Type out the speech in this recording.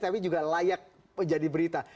tapi juga layak menjadi berita